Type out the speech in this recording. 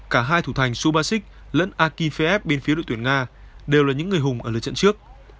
cả hai thủ thành subasik lẫn akif ff bên phía đội tuyển nga đều là những người hùng ở lời trận trước